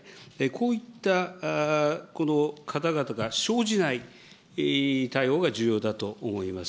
こういったこの方々が生じない対応が重要だと思います。